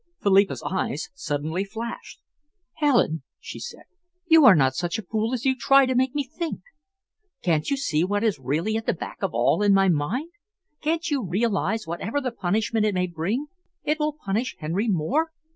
Philippa's eyes suddenly flashed. "Helen," she said, "you are not such a fool as you try to make me think. Can't you see what is really at the back of it all in my mind? Can't you realise that, whatever the punishment it may bring, it will punish Henry more?"